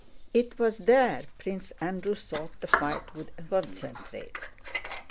It was there Prince Andrew thought the fight would concentrate.